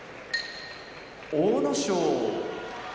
阿武咲